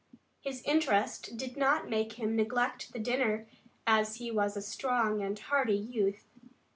His interest did not make him neglect the dinner, as he was a strong and hearty youth.